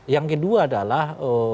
yang kedua adalah